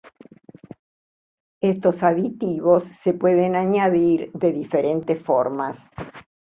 Estos aditivos se puede añadir de diferentes formas.